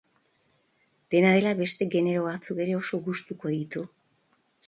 Dena dela, beste genero batzuk ere oso gustuko ditu.